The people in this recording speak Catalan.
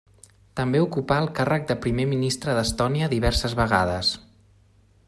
També ocupà el càrrec de Primer Ministre d'Estònia diverses vegades.